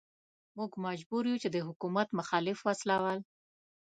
موږ مجبور يو چې د حکومت مخالف وسله وال.